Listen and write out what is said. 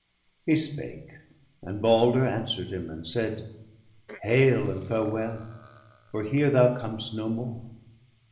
He spake ; and Balder answer'd him, and said :—' Hail and farewell ! for here thou com'st no more.